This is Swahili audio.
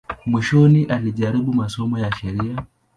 Mwishoni alijaribu masomo ya sheria.